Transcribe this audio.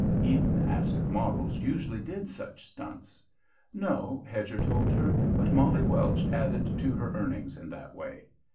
Eden asked if models usually did such stunts. No, Hedger told her, but Molly Welch added to her earnings in that way.